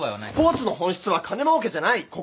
スポーツの本質は金もうけじゃない。